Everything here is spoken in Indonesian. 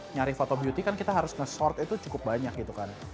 nyari foto beauty kan kita harus nge short itu cukup banyak gitu kan